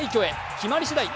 決まりしだい